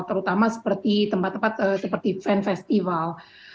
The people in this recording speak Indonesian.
terutama seperti tempat tempat seperti fan festival